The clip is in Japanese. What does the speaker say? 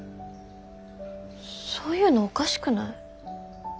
そういうのおかしくない？